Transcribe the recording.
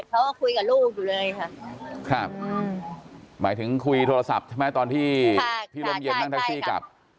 เขาก็คุยกับลูกอยู่เลยค่ะครับหมายถึงคุยโทรศัพท์ใช่ไหมตอนที่พี่ร่มเย็นนั่งแท็กซี่กลับ